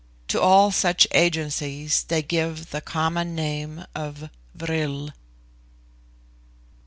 To all such agencies they give the common name of vril."